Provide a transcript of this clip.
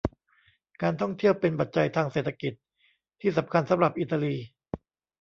การท่องเที่ยวเป็นปัจจัยทางเศรษฐกิจที่สำคัญสำหรับอิตาลี